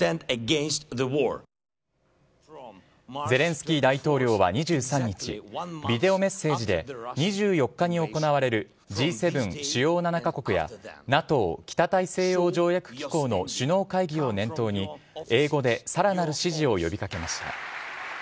ゼレンスキー大統領は２３日ビデオメッセージで２４日に行われるＧ７＝主要７カ国やＮＡＴＯ＝北大西洋条約機構の首脳会議を念頭に英語でさらなる支持を呼び掛けました。